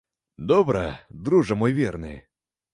Добра, дружа мой верны!